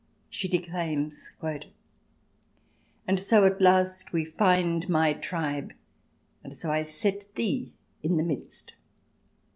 She declaims :" And so at last we find my tribe, And so I set thee in the midst.